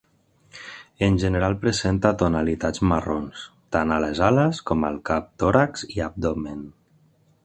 En general presenta tonalitats marrons, tant a les ales com al cap, tòrax i abdomen.